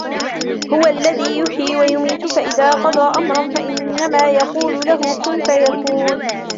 هو الذي يحيي ويميت فإذا قضى أمرا فإنما يقول له كن فيكون